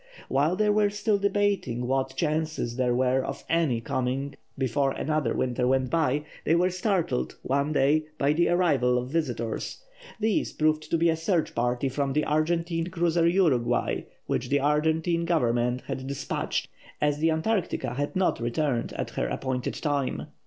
While they were still debating what chances there were of any coming before another winter went by, they were startled, one day, by the arrival of visitors. These proved to be a search party from the Argentine cruiser Uruguay, which the Argentine Government had despatched as the Antarctica had not returned at her appointed time.